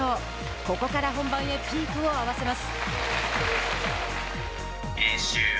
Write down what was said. ここから本番へピークを合わせます。